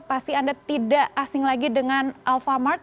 pasti anda tidak asing lagi dengan alphamart